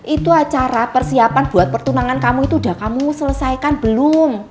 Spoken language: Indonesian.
itu acara persiapan buat pertunangan kamu itu udah kamu selesaikan belum